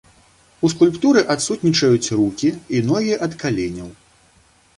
У скульптуры адсутнічаюць рукі і ногі ад каленяў.